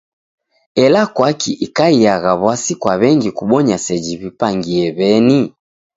Ela kwaki ikaiagha w'asi kwa w'engi kubonya seji w'ipangie w'eni?